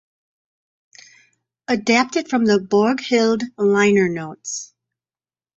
Adapted from the "Borghild" liner notes.